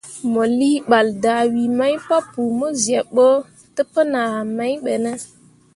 Mo lii ɓal dahwii mai papou mo zyeb ɓo təpənah mai ɓe ne?